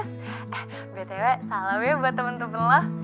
eh btw salam ya buat temen temen lo